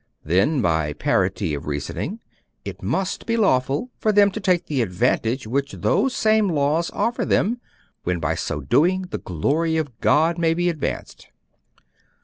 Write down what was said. Then, by parity of reasoning, it must be lawful for them to take the advantage which those same laws offer them, when by so doing the glory of God may be advanced."